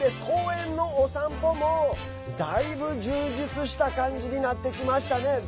公園のお散歩もだいぶ充実した感じになってきましたね。